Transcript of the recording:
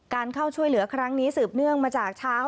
เข้าช่วยเหลือครั้งนี้สืบเนื่องมาจากช้าง